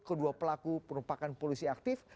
kedua pelaku merupakan polisi aktif